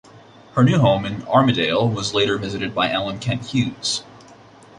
Her new home in Armidale was later visited by Ellen Kent Hughes.